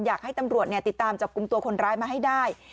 อยากให้ตำรวจติดตามจับกลุ่มตัวคนร้ายมาให้ได้